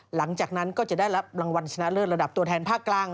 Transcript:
หลังจากนั้นก็จะได้รับรางวัลชนะเลิศระดับตัวแทนภาคกลาง